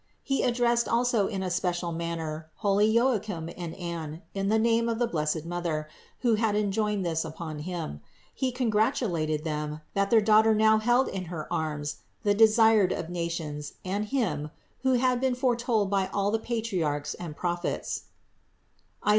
He addressed also in a special manner holy Joachim and Anne in the name of the blessed Mother, who had en joined this upon him; he congratulated them, that their Daughter now held in her arms the Desired of nations and Him, who had been foretold by all the Patriarchs and Prophets (Is.